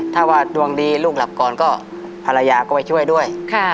ถ้าว่าดวงดีลูกหลับก่อนก็ภรรยาก็ไปช่วยด้วย